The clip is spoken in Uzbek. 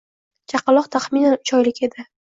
Chaqaloq taxminan uch oylik edi